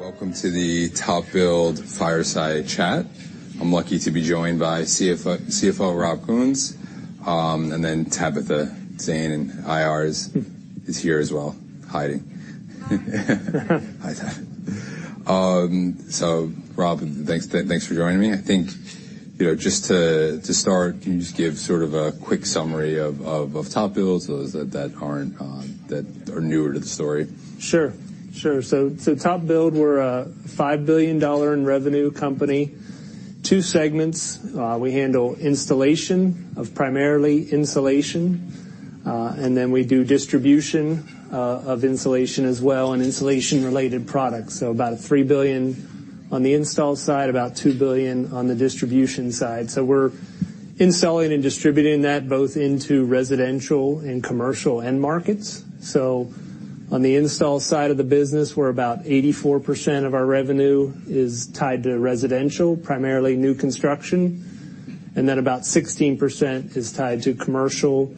Welcome to the TopBuild Fireside Chat. I'm lucky to be joined by CFO Rob Kuhns. Tabitha Zane in IR is here as well, hiding. Hi. Hi, Tab. Rob, thanks for joining me. I think, you know, just to start, can you just give sort of a quick summary of TopBuild, so that aren't that are newer to the story? Sure. Sure. TopBuild, we're a $5 billion in revenue company. Two segments: we handle installation of primarily insulation, and we do distribution of insulation as well, and insulation-related products. About $3 billion on the install side, about $2 billion on the distribution side. We're installing and distributing that both into residential and commercial end markets. On the install side of the business, we're about 84% of our revenue is tied to residential, primarily new construction, about 16% is tied to commercial.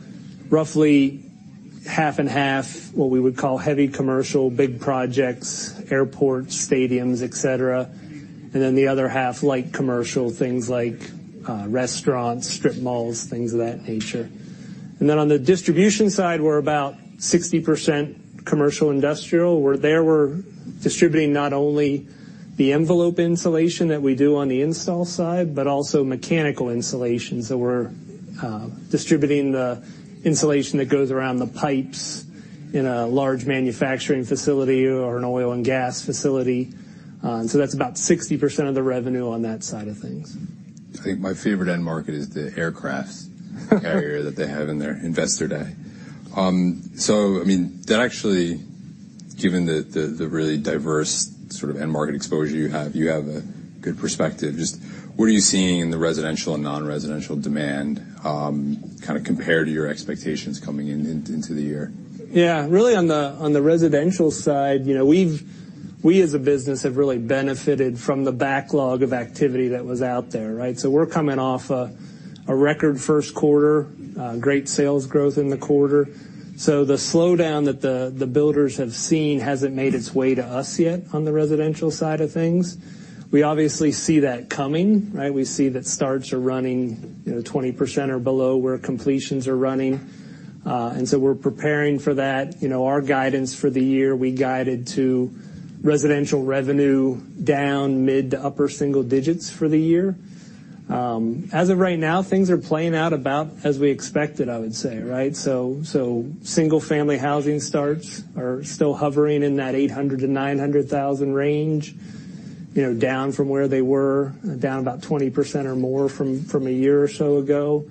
Roughly half and half, what we would call heavy commercial, big projects, airports, stadiums, et cetera. The other half, light commercial, things like restaurants, strip malls, things of that nature. On the distribution side, we're about 60% commercial industrial, where there we're distributing not only the envelope insulation that we do on the install side, but also mechanical insulation. We're distributing the insulation that goes around the pipes in a large manufacturing facility or an oil and gas facility. That's about 60% of the revenue on that side of things. I think my favorite end market is the aircraft carrier that they have in their investor day. I mean, that actually, given the really diverse sort of end market exposure you have, you have a good perspective. Just what are you seeing in the residential and non-residential demand, kinda compared to your expectations coming into the year? Yeah. Really, on the residential side, you know, we as a business, have really benefited from the backlog of activity that was out there, right? We're coming off a record Q1, great sales growth in the quarter. The slowdown that the builders have seen hasn't made its way to us yet on the residential side of things. We obviously see that coming, right? We see that starts are running, you know, 20% or below, where completions are running. We're preparing for that. You know, our guidance for the year, we guided to residential revenue down mid to upper single digits for the year. As of right now, things are playing out about as we expected, I would say, right? Single-family housing starts are still hovering in that 800,000-900,000 range, you know, down from where they were, down about 20% or more from a year or so ago.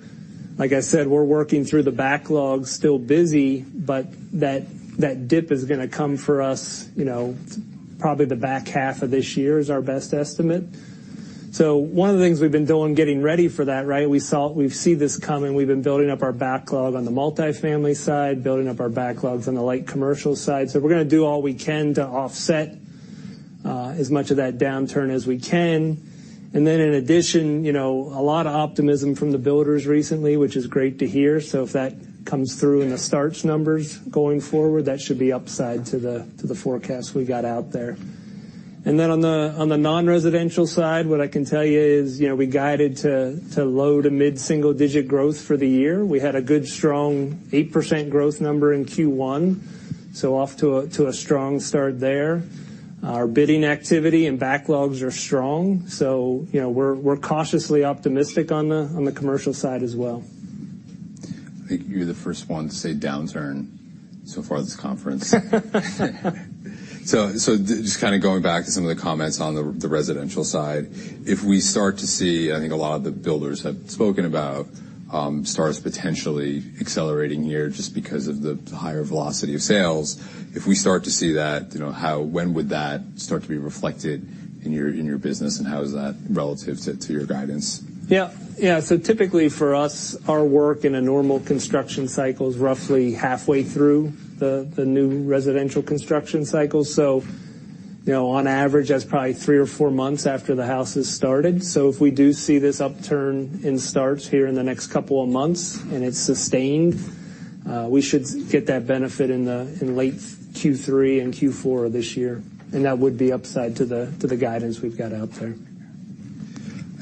Like I said, we're working through the backlog, still busy, but that dip is gonna come for us, you know, probably the back half of this year is our best estimate. One of the things we've been doing, getting ready for that, right? We see this coming. We've been building up our backlog on the multifamily side, building up our backlogs on the light commercial side. We're gonna do all we can to offset as much of that downturn as we can. In addition, you know, a lot of optimism from the builders recently, which is great to hear. If that comes through in the starts numbers going forward, that should be upside to the forecast we've got out there. On the non-residential side, what I can tell you is, you know, we guided to low to mid single digit growth for the year. We had a good, strong 8% growth number in Q1, so off to a strong start there. Our bidding activity and backlogs are strong, so, you know, we're cautiously optimistic on the commercial side as well. I think you're the first one to say downturn so far this conference. Just kinda going back to some of the comments on the residential side. If we start to see, I think a lot of the builders have spoken about, starts potentially accelerating here just because of the higher velocity of sales. If we start to see that, you know, how when would that start to be reflected in your business, and how is that relative to your guidance? Yeah, typically for us, our work in a normal construction cycle is roughly halfway through the new residential construction cycle. you know, on average, that's probably three or four months after the house is started. If we do see this upturn in starts here in the next couple of months, and it's sustained, we should get that benefit in late Q3 and Q4 of this year, and that would be upside to the guidance we've got out there.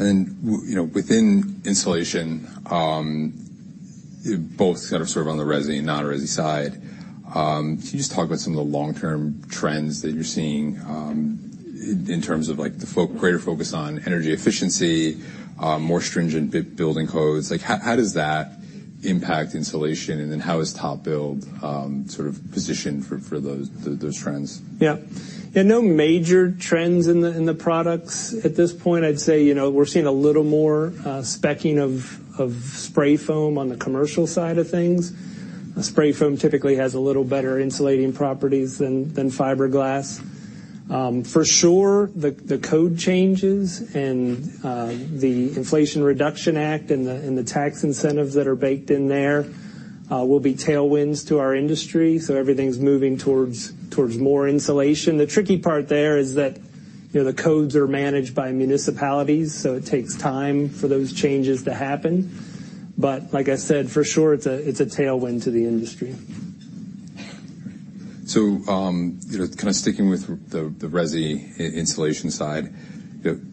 You know, within insulation, both sort of serve on the resi and non-resi side. Can you just talk about some of the long-term trends that you're seeing, in terms of, like, the greater focus on energy efficiency, more stringent building codes? Like, how does that impact insulation, how is TopBuild sort of positioned for those trends? Yeah. Yeah, no major trends in the products. At this point, I'd say, you know, we're seeing a little more speccing of spray foam on the commercial side of things. Spray foam typically has a little better insulating properties than fiberglass. For sure, the code changes and the Inflation Reduction Act, and the tax incentives that are baked in there, will be tailwinds to our industry, so everything's moving towards more insulation. The tricky part there is that. You know, the codes are managed by municipalities, so it takes time for those changes to happen. Like I said, for sure, it's a tailwind to the industry. you know, kind of sticking with the resi insulation side,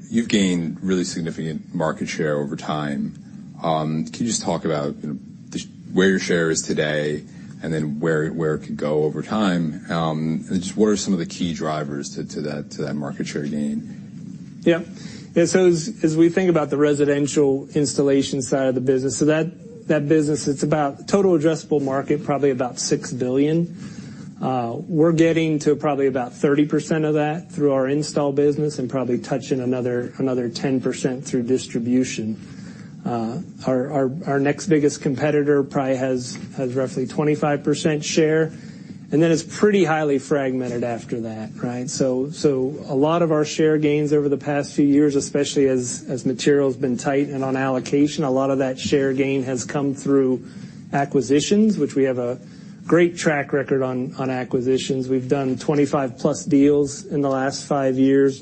you've gained really significant market share over time. Can you just talk about where your share is today, and then where it could go over time? just what are some of the key drivers to that market share gain? As we think about the residential installation side of the business, that business, it's about total addressable market, probably about $6 billion. We're getting to probably about 30% of that through our install business and probably touching another 10% through distribution. Our next biggest competitor probably has roughly 25% share, then it's pretty highly fragmented after that, right? A lot of our share gains over the past few years, especially as material has been tight and on allocation, a lot of that share gain has come through acquisitions, which we have a great track record on acquisitions. We've done 25 plus deals in the last five years,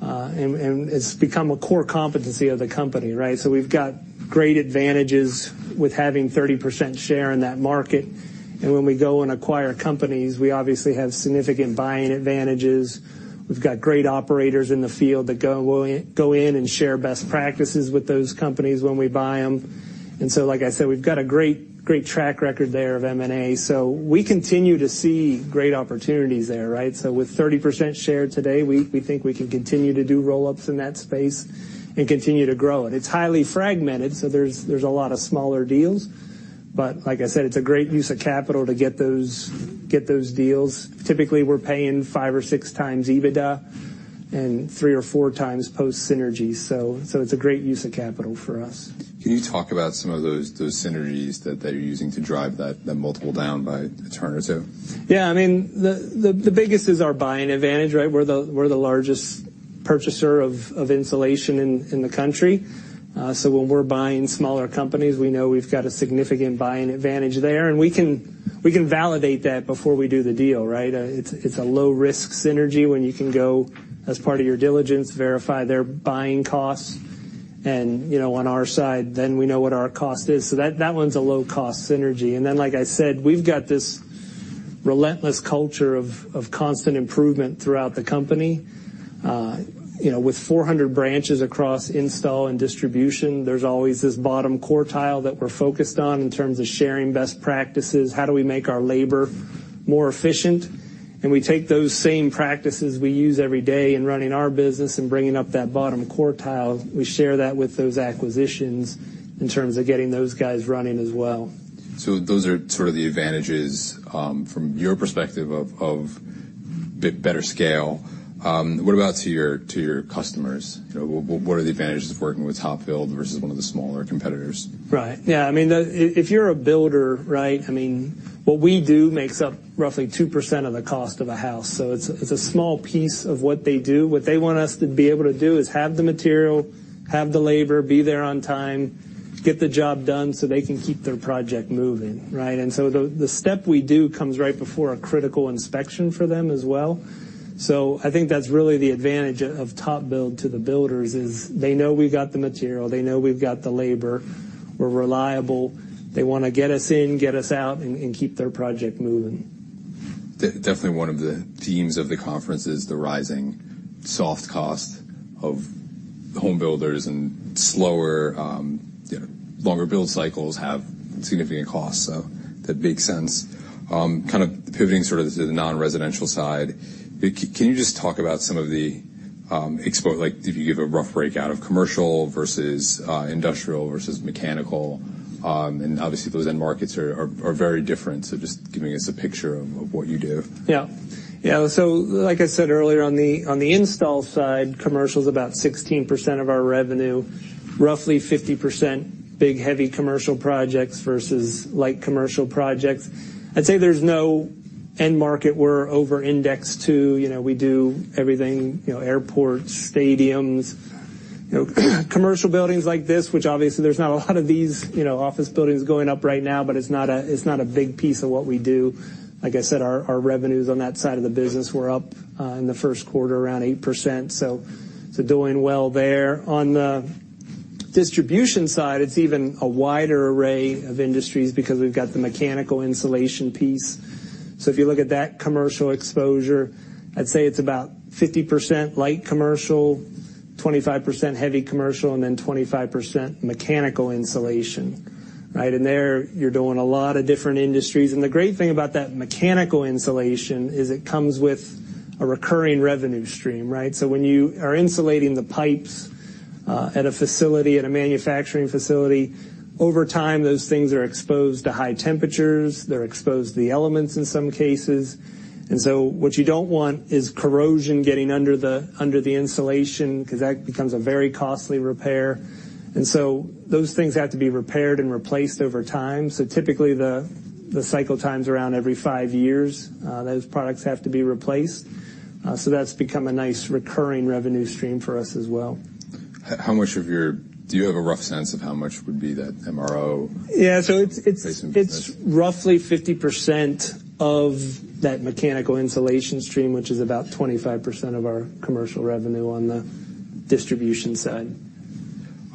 and it's become a core competency of the company, right? We've got great advantages with having 30% share in that market. When we go and acquire companies, we obviously have significant buying advantages. We've got great operators in the field that go in and share best practices with those companies when we buy them. Like I said, we've got a great track record there of M&A. We continue to see great opportunities there, right? With 30% share today, we think we can continue to do roll-ups in that space and continue to grow it. It's highly fragmented, so there's a lot of smaller deals. Like I said, it's a great use of capital to get those deals. Typically, we're paying five or six times EBITDA and 3 or 4 times post synergy. It's a great use of capital for us. Can you talk about some of those synergies that you're using to drive that multiple down by a turn or two? Yeah, I mean, the biggest is our buying advantage, right? We're the largest purchaser of insulation in the country. When we're buying smaller companies, we know we've got a significant buying advantage there, and we can validate that before we do the deal, right? It's a low-risk synergy when you can go as part of your diligence, verify their buying costs, and, you know, on our side, then we know what our cost is. That one's a low-cost synergy. Like I said, we've got this relentless culture of constant improvement throughout the company. You know, with 400 branches across install and distribution, there's always this bottom quartile that we're focused on in terms of sharing best practices, how do we make our labor more efficient? We take those same practices we use every day in running our business and bringing up that bottom quartile. We share that with those acquisitions in terms of getting those guys running as well. Those are sort of the advantages, from your perspective of better scale. What about to your customers? What are the advantages of working with TopBuild versus one of the smaller competitors? Right. Yeah, I mean, if you're a builder, right, I mean, what we do makes up roughly 2% of the cost of a house, so it's a small piece of what they do. What they want us to be able to do is have the material, have the labor, be there on time, get the job done so they can keep their project moving, right? The step we do comes right before a critical inspection for them as well. I think that's really the advantage of TopBuild to the builders, is they know we've got the material, they know we've got the labor, we're reliable. They want to get us in, get us out, and keep their project moving. Definitely, one of the themes of the conference is the rising soft cost of home builders and slower, you know, longer build cycles have significant costs. That makes sense. Kind of pivoting sort of to the non-residential side, can you just talk about some of the, Like, if you give a rough breakout of Commercial versus Industrial versus Mechanical, obviously, those end markets are very different. Just giving us a picture of what you do. Yeah. Yeah, like I said earlier, on the install side, commercial is about 16% of our revenue, roughly 50% big, heavy commercial projects versus light commercial projects. I'd say there's no end market we're over indexed to. You know, we do everything, you know, airports, stadiums, you know, commercial buildings like this, which obviously there's not a lot of these, you know, office buildings going up right now, but it's not a big piece of what we do. Like I said, our revenues on that side of the business were up in the Q1, around 8%, doing well there. On the distribution side, it's even a wider array of industries because we've got the mechanical insulation piece. If you look at that commercial exposure, I'd say it's about 50% light commercial, 25% heavy commercial, and then 25% mechanical insulation, right. There, you're doing a lot of different industries. The great thing about that mechanical insulation is, it comes with a recurring revenue stream, right. When you are insulating the pipes at a facility, at a manufacturing facility, over time, those things are exposed to high temperatures, they're exposed to the elements in some cases. What you don't want is corrosion getting under the insulation, because that becomes a very costly repair. Those things have to be repaired and replaced over time. Typically, the cycle time's around every five years, those products have to be replaced. That's become a nice recurring revenue stream for us as well. How much do you have a rough sense of how much would be that MRO? Yeah, so it's roughly 50% of that mechanical insulation stream, which is about 25% of our commercial revenue on the distribution side.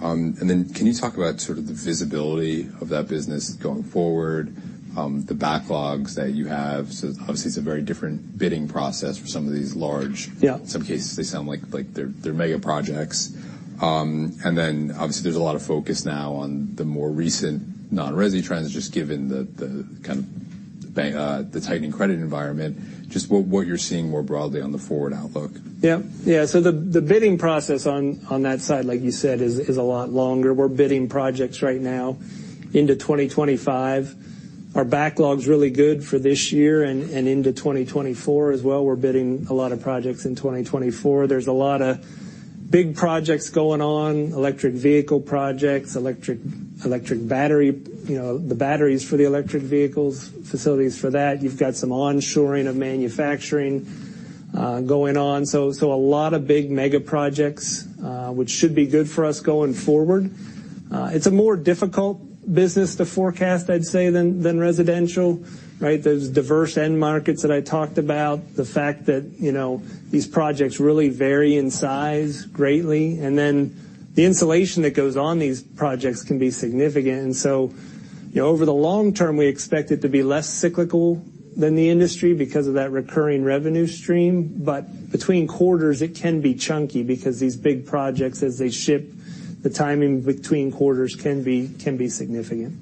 Then can you talk about sort of the visibility of that business going forward, the backlogs that you have? Obviously, it's a very different bidding process for some of these. Yeah. In some cases, they sound like they're mega projects. Obviously, there's a lot of focus now on the more recent non-resi trends, just given the kind of, the tightening credit environment, just what you're seeing more broadly on the forward outlook. Yeah. Yeah, the bidding process on that side, like you said, is a lot longer. We're bidding projects right now into 2025. Our backlog's really good for this year and into 2024 as well. We're bidding a lot of projects in 2024. There's a lot of big projects going on, electric vehicle projects, electric battery, you know, the batteries for the electric vehicles, facilities for that. You've got some onshoring of manufacturing going on. A lot of big mega projects, which should be good for us going forward. It's a more difficult business to forecast, I'd say, than residential, right? Those diverse end markets that I talked about, the fact that, you know, these projects really vary in size greatly, and then the insulation that goes on these projects can be significant. You know, over the long term, we expect it to be less cyclical than the industry because of that recurring revenue stream. Between quarters, it can be chunky because these big projects, as they ship, the timing between quarters can be significant.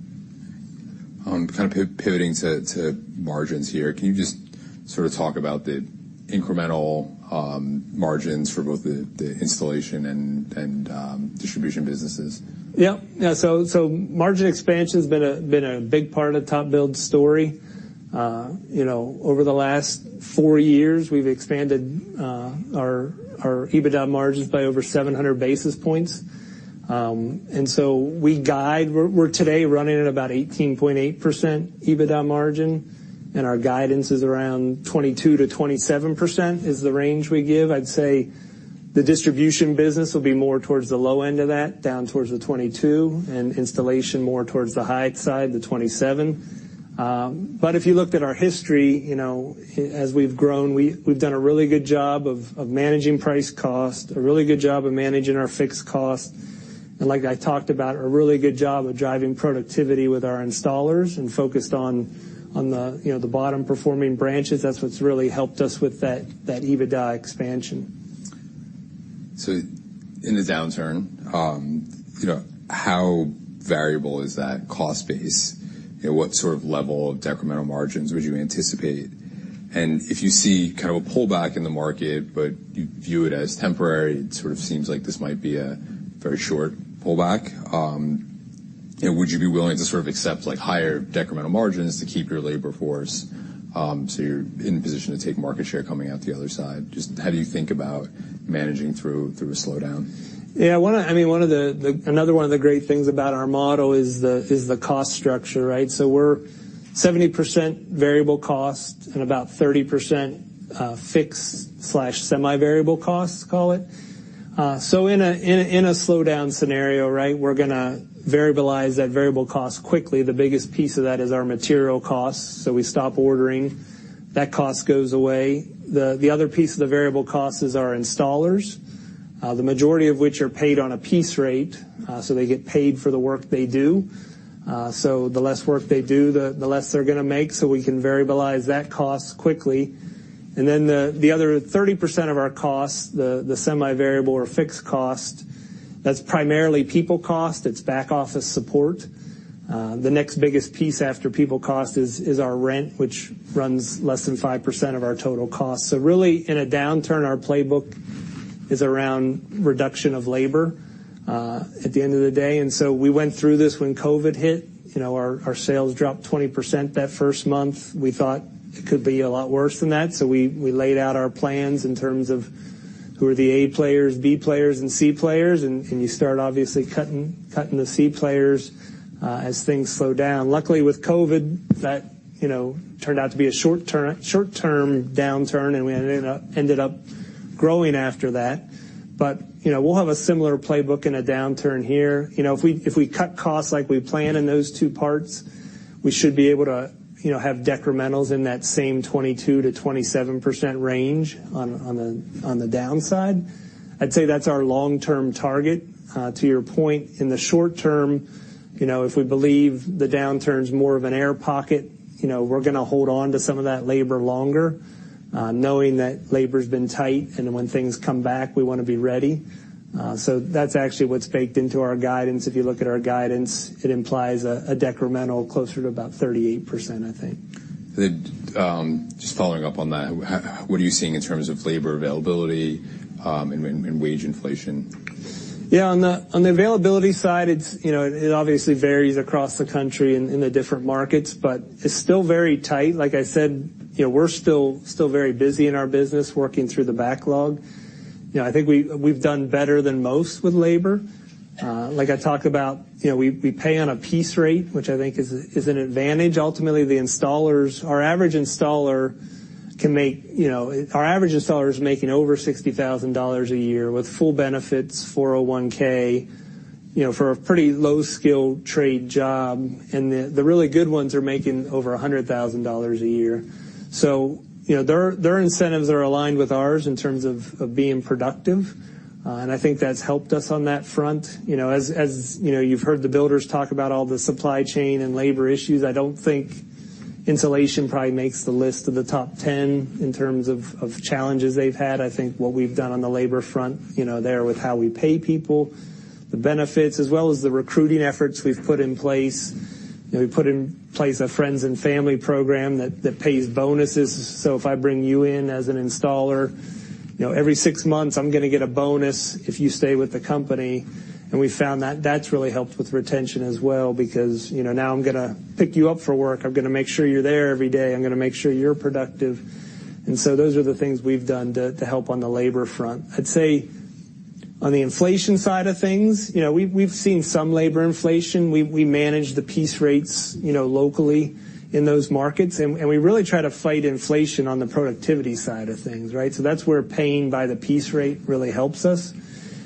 kind of pivoting to margins here, can you just sort of talk about the incremental margins for both the installation and distribution businesses? Yeah. Yeah, so margin expansion's been a big part of TopBuild's story. you know, over the last four years, we've expanded our EBITDA margins by over 700 basis points. We're today running at about 18.8% EBITDA margin, and our guidance is around 22%-27%, is the range we give. I'd say the distribution business will be more towards the low end of that, down towards the 22, and installation more towards the high side, the 27. If you looked at our history, you know, as we've grown, we've done a really good job of managing price cost, a really good job of managing our fixed cost, and like I talked about, a really good job of driving productivity with our installers and focused on the, you know, the bottom-performing branches. That's what's really helped us with that EBITDA expansion. In the downturn, you know, how variable is that cost base? You know, what sort of level of decremental margins would you anticipate? If you see kind of a pullback in the market, but you view it as temporary, it sort of seems like this might be a very short pullback, you know, would you be willing to sort of accept, like, higher decremental margins to keep your labor force, so you're in a position to take market share coming out the other side? Just how do you think about managing through a slowdown? Yeah, one of the, I mean, another one of the great things about our model is the cost structure, right? We're 70% variable cost and about 30% fixed slash semi-variable costs, call it. In a slowdown scenario, right, we're gonna variabilize that variable cost quickly. The biggest piece of that is our material costs, we stop ordering. That cost goes away. The other piece of the variable cost is our installers, the majority of which are paid on a piece rate, they get paid for the work they do. The less work they do, the less they're gonna make, we can variabilize that cost quickly. The other 30% of our costs, the semi-variable or fixed cost, that's primarily people cost. It's back office support. The next biggest piece after people cost is our rent, which runs less than 5% of our total cost. Really, in a downturn, our playbook is around reduction of labor at the end of the day. We went through this when COVID hit. You know, our sales dropped 20% that first month. We thought it could be a lot worse than that, so we laid out our plans in terms of who are the A players, B players, and C players, and you start obviously cutting the C players as things slow down. Luckily, with COVID, that, you know, turned out to be a short-term downturn, and we ended up growing after that. You know, we'll have a similar playbook and a downturn here. You know, if we cut costs like we plan in those two parts, we should be able to, you know, have decrementals in that same 22%-27% range on the downside. I'd say that's our long-term target. To your point, in the short term, you know, if we believe the downturn is more of an air pocket, you know, we're gonna hold on to some of that labor longer, knowing that labor's been tight, and when things come back, we wanna be ready. That's actually what's baked into our guidance. If you look at our guidance, it implies a decremental closer to about 38%, I think. just following up on that, what are you seeing in terms of labor availability, and wage inflation? Yeah, on the availability side, it's, you know, it obviously varies across the country and in the different markets, but it's still very tight. Like I said, you know, we're still very busy in our business, working through the backlog. You know, I think we've done better than most with labor. Like I talked about, you know, we pay on a piece rate, which I think is an advantage. Ultimately, the installers, our average installer can make, you know, our average installer is making over $60,000 a year with full benefits, 401K, you know, for a pretty low-skill trade job, and the really good ones are making over $100,000 a year. You know, their incentives are aligned with ours in terms of being productive, and I think that's helped us on that front. You know, as, you know, you've heard the builders talk about all the supply chain and labor issues, I don't think insulation probably makes the list of the top 10 in terms of challenges they've had. I think what we've done on the labor front, you know, there with how we pay people, the benefits, as well as the recruiting efforts we've put in place. You know, we put in place a friends and family program that pays bonuses. If I bring you in as an installer, you know, every 6 months, I'm gonna get a bonus if you stay with the company. We found that that's really helped with retention as well, because, you know, now I'm gonna pick you up for work. I'm gonna make sure you're there every day. I'm gonna make sure you're productive. Those are the things we've done to help on the labor front. I'd say on the inflation side of things, you know, we've seen some labor inflation. We manage the piece rates, you know, locally in those markets, and we really try to fight inflation on the productivity side of things, right? That's where paying by the piece rate really helps us.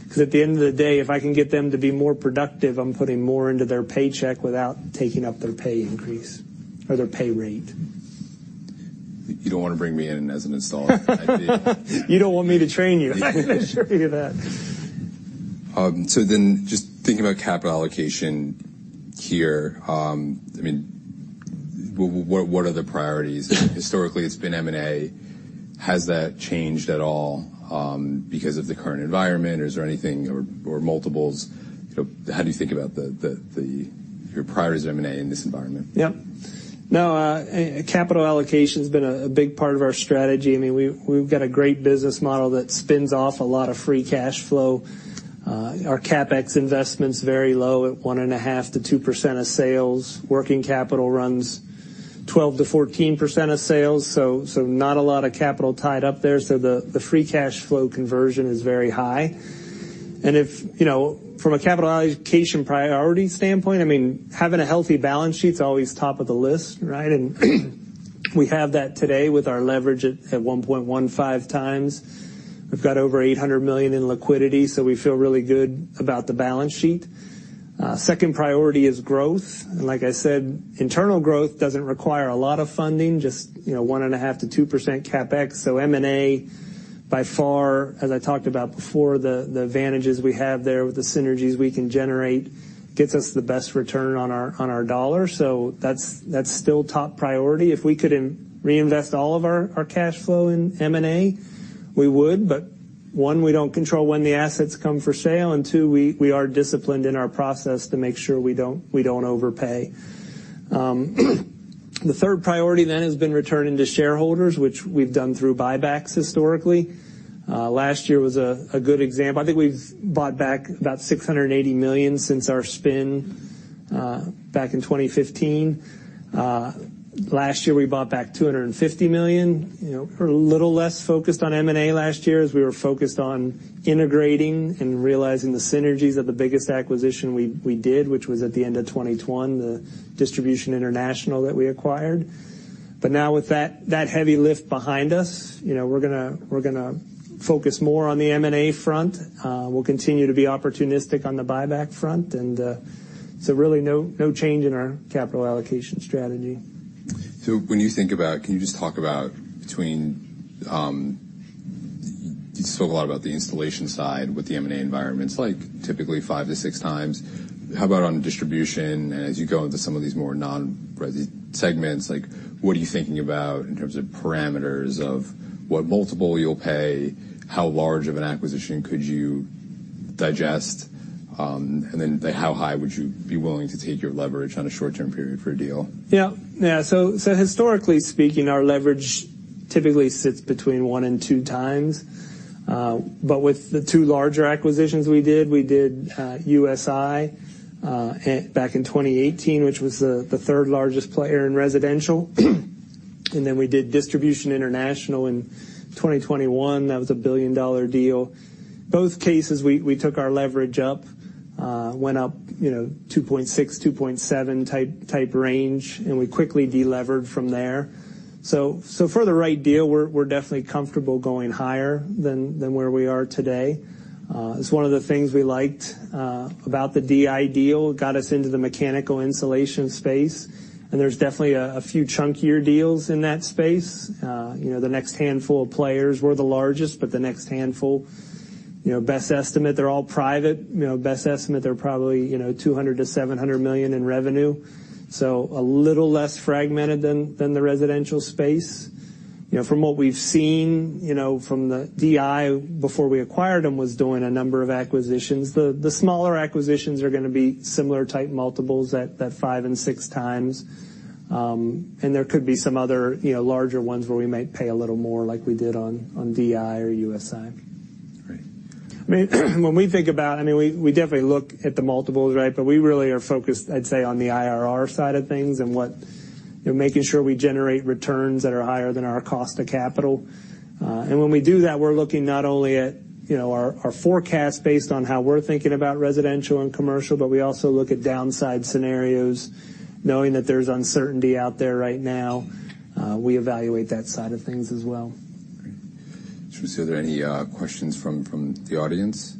'Cause at the end of the day, if I can get them to be more productive, I'm putting more into their paycheck without taking up their pay increase or their pay rate. You don't wanna bring me in as an installer. You don't want me to train you, I can assure you that. Just thinking about capital allocation here, I mean, what are the priorities? Historically, it's been M&A. Has that changed at all because of the current environment, or is there anything or multiples? How do you think about your priorities of M&A in this environment? Yep. No, capital allocation has been a big part of our strategy. I mean, we've got a great business model that spins off a lot of free cash flow. Our CapEx investment's very low at 1.5%-2% of sales. Working capital runs 12%-14% of sales, so not a lot of capital tied up there. The free cash flow conversion is very high. If, you know, from a capital allocation priority standpoint, I mean, having a healthy balance sheet's always top of the list, right? We have that today with our leverage at 1.15 times. We've got over $800 million in liquidity, so we feel really good about the balance sheet. Second priority is growth. Like I said, internal growth doesn't require a lot of funding, just, you know, 1.5%-2% CapEx. M&A, by far, as I talked about before, the advantages we have there with the synergies we can generate, gets us the best return on our dollar. That's still top priority. If we could reinvest all of our cash flow in M&A, we would. One, we don't control when the assets come for sale, and two, we are disciplined in our process to make sure we don't overpay. The third priority then has been returning to shareholders, which we've done through buybacks historically. Last year was a good example. I think we've bought back about $680 million since our spin back in 2015. Last year, we bought back $250 million. You know, we're a little less focused on M&A last year, as we were focused on integrating and realizing the synergies of the biggest acquisition we did, which was at the end of 2021, the Distribution International that we acquired. Now with that heavy lift behind us, you know, we're gonna focus more on the M&A front. We'll continue to be opportunistic on the buyback front, really no change in our capital allocation strategy. Can you just talk about between, you spoke a lot about the installation side with the M&A environments, like typically five to six times. How about on distribution, and as you go into some of these more non-segments, like, what are you thinking about in terms of parameters of what multiple you'll pay? How large of an acquisition could you digest, and then how high would you be willing to take your leverage on a short-term period for a deal? Historically speaking, our leverage typically sits between one and two times. But with the two larger acquisitions we did, USI, back in 2018, which was the third largest player in residential. Then we did Distribution International in 2021. That was a $1 billion deal. Both cases, we took our leverage up, went up, you know, 2.6, 2.7 type range, and we quickly delivered from there. For the right deal, we're definitely comfortable going higher than where we are today. It's one of the things we liked about the DI deal. It got us into the mechanical insulation space, and there's definitely a few chunkier deals in that space. You know, the next handful of players were the largest, but the next handful, you know, best estimate, they're all private. You know, best estimate, they're probably, you know, $200 million-$700 million in revenue, so a little less fragmented than the residential space. You know, from what we've seen, you know, from the DI, before we acquired them, was doing a number of acquisitions. The smaller acquisitions are gonna be similar type multiples at five and six times. There could be some other, you know, larger ones where we might pay a little more like we did on DI or USI. Great. I mean, when we think about, I mean, we definitely look at the multiples, right? We really are focused, I'd say, on the IRR side of things and we're making sure we generate returns that are higher than our cost of capital. When we do that, we're looking not only at, you know, our forecast based on how we're thinking about residential and commercial, but we also look at downside scenarios, knowing that there's uncertainty out there right now. We evaluate that side of things as well. Great. Should we see if there are any questions from the audience?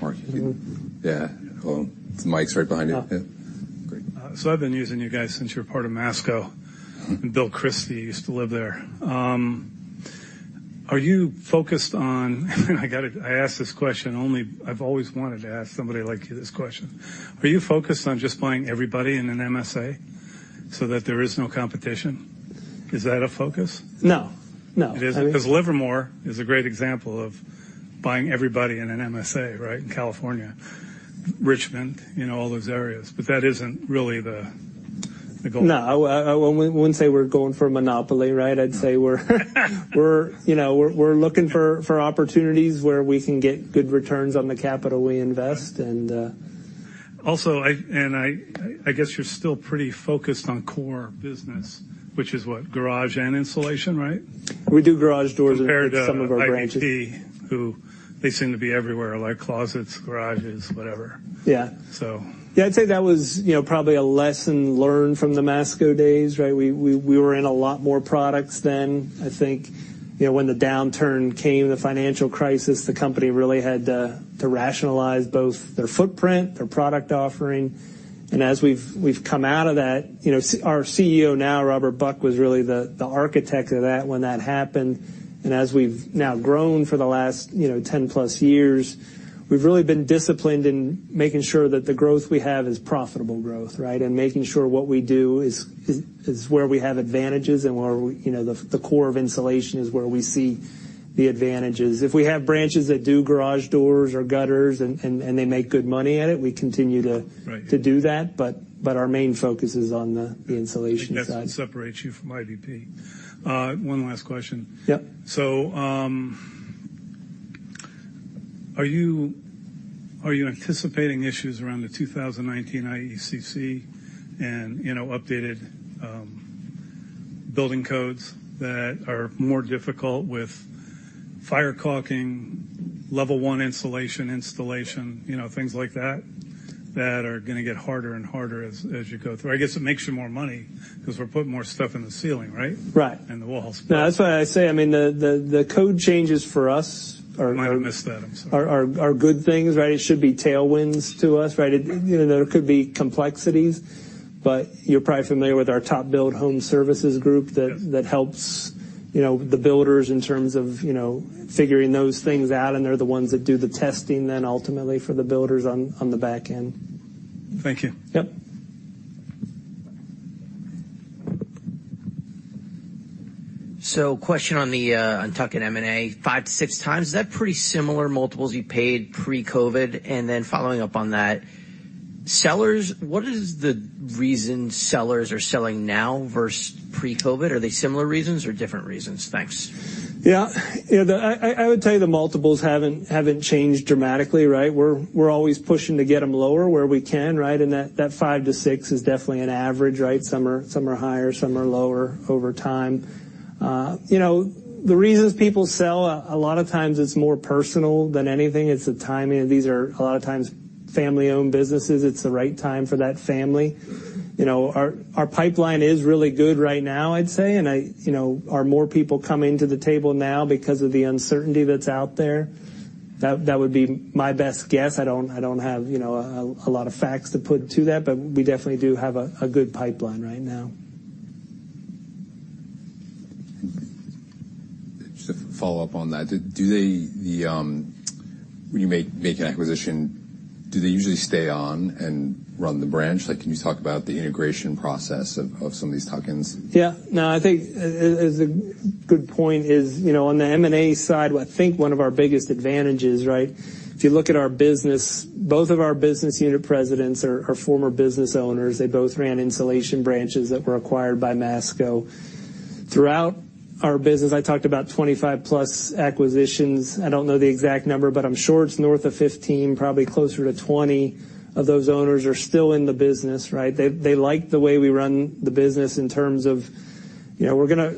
Mark, yeah. Hello? The mic's right behind you. Oh. Yeah. Great. I've been using you guys since you were part of Masco, and Bill Christie used to live there. I ask this question only, I've always wanted to ask somebody like you this question: Are you focused on just buying everybody in an MSA so that there is no competition? Is that a focus? No. No. It isn't? Because Livermore is a great example of buying everybody in an MSA, right, in California. Richmond, you know, all those areas, but that isn't really the goal. No, I wouldn't say we're going for a monopoly, right? No. I'd say we're, you know, we're looking for opportunities where we can get good returns on the capital we invest. I guess you're still pretty focused on core business, which is what? Garage and insulation, right? We do garage doors in some of our branches. Compared to IBP, who they seem to be everywhere, like closets, garages, whatever. Yeah. So. Yeah, I'd say that was, you know, probably a lesson learned from the Masco days, right? We were in a lot more products then. I think, you know, when the downturn came, the financial crisis, the company really had to rationalize both their footprint, their product offering. As we've come out of that, you know, our CEO now, Robert Buck, was really the architect of that when that happened. As we've now grown for the last, you know, 10 plus years, we've really been disciplined in making sure that the growth we have is profitable growth, right? Making sure what we do is where we have advantages and where, you know, the core of insulation is where we see the advantages. If we have branches that do garage doors or gutters and they make good money at it, we continue. Right... to do that, but our main focus is on the insulation side. I think that's what separates you from IBP. One last question? Yeah. Are you anticipating issues around the 2019 IECC and, you know, updated, building codes that are more difficult with fire caulking, level one insulation installation, you know, things like that are gonna get harder and harder as you go through? I guess it makes you more money, 'cause we're putting more stuff in the ceiling, right? Right. The walls. No, that's why I say, I mean, the code changes for us. I might have missed that. I'm sorry... are good things, right? It should be tailwinds to us, right? You know, there could be complexities, but you're probably familiar with our TopBuild Home Services group... Yeah... that helps, you know, the builders in terms of, you know, figuring those things out, and they're the ones that do the testing then, ultimately, for the builders on the back end. Thank you. Yep. Question on the on tuck-in M&A, five six times. Is that pretty similar multiples you paid pre-COVID? Following up on that, sellers, what is the reason sellers are selling now versus pre-COVID? Are they similar reasons or different reasons? Thanks. Yeah. Yeah, I would tell you the multiples haven't changed dramatically, right? We're always pushing to get them lower where we can, right? That 5 to 6 is definitely an average, right? Some are, some are higher, some are lower over time. You know, the reasons people sell, a lot of times it's more personal than anything. It's the timing. These are, a lot of times, family-owned businesses. It's the right time for that family. You know, our pipeline is really good right now, I'd say. You know, are more people coming to the table now because of the uncertainty that's out there? That would be my best guess. I don't have, you know, a lot of facts to put to that, but we definitely do have a good pipeline right now. Just a follow-up on that. Do they when you make an acquisition, do they usually stay on and run the branch? Like, can you talk about the integration process of some of these tuck-ins? Yeah. No, I think as a good point is, you know, on the M&A side, I think one of our biggest advantages, right? If you look at our business, both of our business unit presidents are former business owners. They both ran insulation branches that were acquired by Masco. Throughout our business, I talked about 25 plus acquisitions. I don't know the exact number, but I'm sure it's north of 15, probably closer to 20, of those owners are still in the business, right? They like the way we run the business in terms of, you know,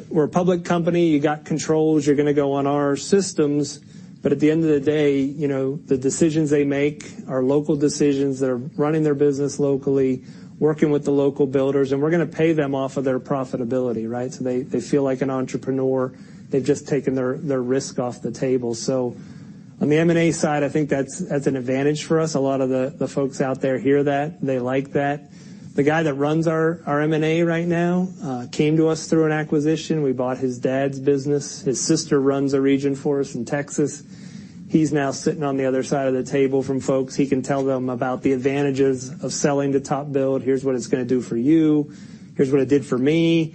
we're a public company, you got controls, you're gonna go on our systems. At the end of the day, you know, the decisions they make are local decisions. They're running their business locally, working with the local builders, We're gonna pay them off of their profitability, right? They feel like an entrepreneur. They've just taken their risk off the table. On the M&A side, I think that's an advantage for us. A lot of the folks out there hear that, they like that. The guy that runs our M&A right now came to us through an acquisition. We bought his dad's business. His sister runs a region for us in Texas. He's now sitting on the other side of the table from folks. He can tell them about the advantages of selling to TopBuild. "Here's what it's gonna do for you. Here's what it did for me.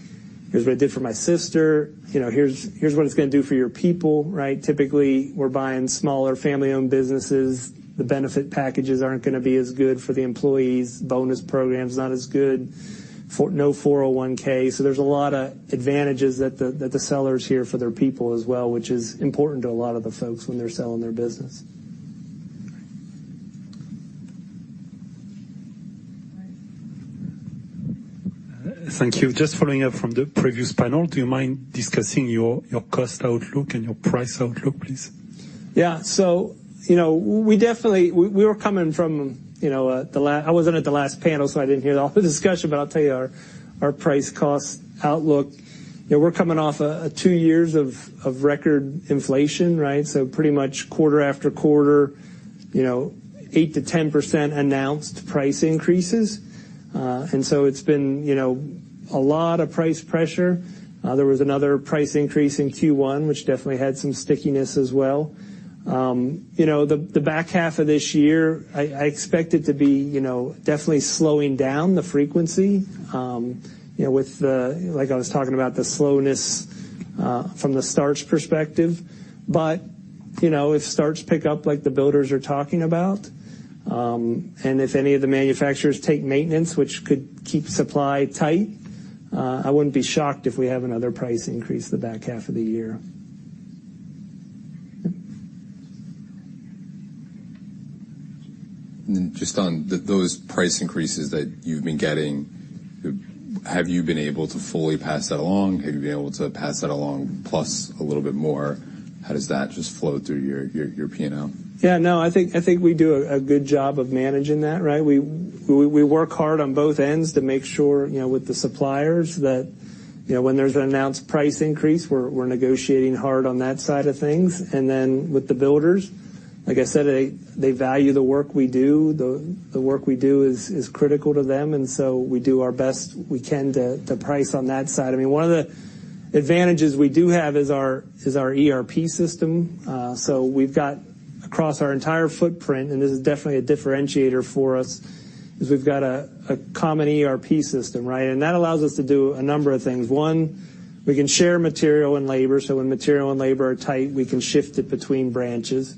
Here's what it did for my sister. You know, here's what it's gonna do for your people," right? Typically, we're buying smaller, family-owned businesses. The benefit packages aren't gonna be as good for the employees, bonus program's not as good. no 401K. There's a lot of advantages that the sellers hear for their people as well, which is important to a lot of the folks when they're selling their business. Thank you. Just following up from the previous panel, do you mind discussing your cost outlook and your price outlook, please? Yeah. You know, we were coming from, you know, I wasn't at the last panel, so I didn't hear all the discussion, but I'll tell you our price cost outlook. You know, we're coming off a two years of record inflation, right? Pretty much quarter after quarter, you know, 8% to 10% announced price increases. It's been, you know, a lot of price pressure. There was another price increase in Q1, which definitely had some stickiness as well. You know, the back half of this year, I expect it to be, you know, definitely slowing down, the frequency. You know, like I was talking about, the slowness from the starts perspective. You know, if starts pick up like the builders are talking about, and if any of the manufacturers take maintenance, which could keep supply tight, I wouldn't be shocked if we have another price increase the back half of the year. Just on those price increases that you've been getting, have you been able to fully pass that along? Have you been able to pass that along plus a little bit more? How does that just flow through your PNL? Yeah, no, I think we do a good job of managing that, right? We work hard on both ends to make sure, you know, with the suppliers, that, you know, when there's an announced price increase, we're negotiating hard on that side of things. Then with the builders, like I said, they value the work we do. The work we do is critical to them, and so we do our best we can to price on that side. I mean, one of the advantages we do have is our ERP system. We've got across our entire footprint, and this is definitely a differentiator for us, is we've got a common ERP system, right? That allows us to do a number of things. One, we can share material and labor, so when material and labor are tight, we can shift it between branches.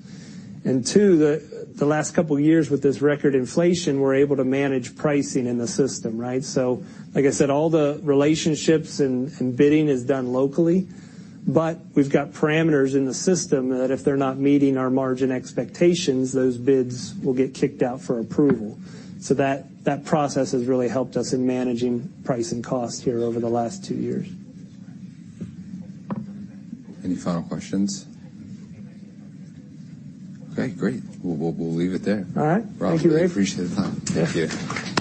Two, the last couple of years with this record inflation, we're able to manage pricing in the system, right? Like I said, all the relationships and bidding is done locally, but we've got parameters in the system that if they're not meeting our margin expectations, those bids will get kicked out for approval. That process has really helped us in managing price and cost here over the last two years. Any final questions? Okay, great. We'll leave it there. All right. Thank you, Dave. Appreciate the time. Thank you.